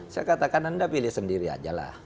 saya katakan anda pilih sendiri aja lah